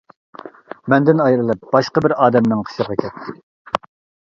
مەندىن ئايرىلىپ، باشقا بىر ئادەمنىڭ قېشىغا كەتتى.